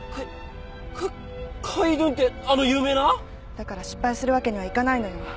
だから失敗するわけにはいかないのよ。